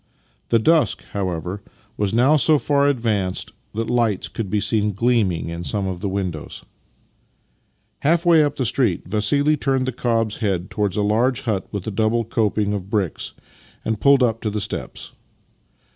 The dusk, however, was now so far ad vanced that lights could be seen gleaming in some of the windows. Half way up the street Vassili turned the cob's head towards a large hut with a double coping of bricks, and pulled up at the steps.